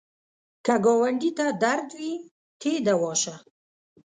که ګاونډي ته درد وي، ته یې دوا شه